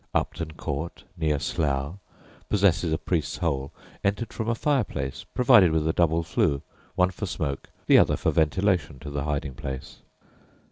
Upton Court, near Slough, possesses a "priest's hole," entered from a fireplace, provided with a double flue one for smoke, the other for ventilation to the hiding place.